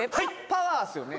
パワーっすよね？